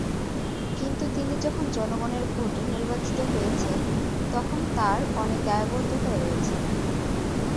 কিন্তু তিনি যখন জনগণের ভোটে নির্বাচিত হয়েছেন, তখন তাঁর অনেক দায়বদ্ধতা রয়েছে।